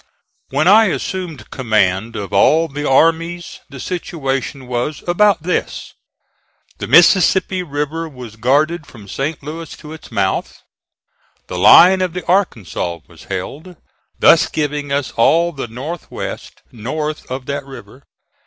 When I assumed command of all the armies the situation was about this: the Mississippi River was guarded from St. Louis to its mouth; the line of the Arkansas was held, thus giving us all the North west north of that river.